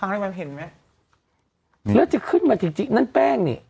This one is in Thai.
แล้วจะเคิ้นมาจริงนั่นแป้งนี่